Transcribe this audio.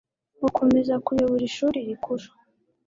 gukomeza kuyobora ishuri rikuru